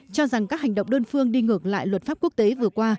cho rằng các hành động đơn phương đi ngược lại luật pháp quốc tế vừa qua